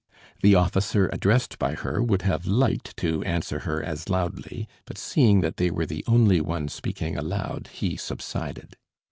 The officer addressed by her would have liked to answer her as loudly, but seeing that they were the only ones speaking aloud, he subsided.